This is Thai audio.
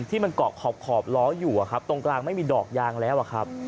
ที่มันเกาะขอบล้ออยู่ตรงกลางไม่มีดอกยางแล้วอะครับ